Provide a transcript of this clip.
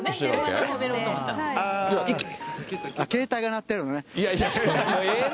携帯が鳴ってるのね。